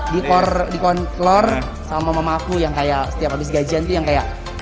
dikonclor sama mamaku yang kayak setiap habis gajian tuh yang kayak